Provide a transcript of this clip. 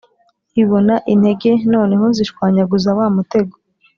ibona intege noneho zishwanyaguza wa mutego,